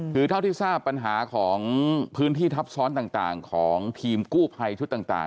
คือเท่าที่ทราบปัญหาของพื้นที่ทับซ้อนต่างของทีมกู้ภัยชุดต่าง